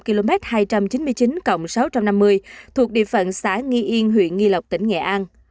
km hai trăm chín mươi chín cộng sáu trăm năm mươi thuộc địa phận xã nghi yên huyện nghi lộc tỉnh nghệ an